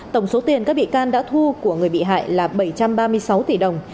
tổng số tiền các bị can đã thu của người bị hại là bảy trăm ba mươi sáu tỷ đồng